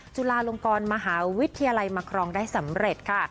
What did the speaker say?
จุฬาลงกรมหาวิทยาลัยมาครองได้สำเร็จค่ะ